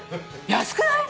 安くない？